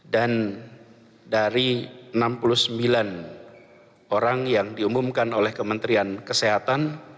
dan dari enam puluh sembilan orang yang diumumkan oleh kementerian kesehatan